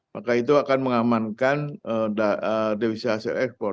maka itu akan mengamankan devisa hasil ekspor